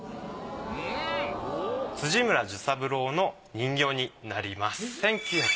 辻村寿三郎の人形になります。